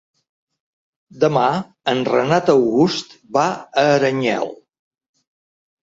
Demà en Renat August va a Aranyel.